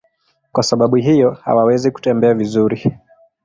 Kwa sababu hiyo hawawezi kutembea vizuri.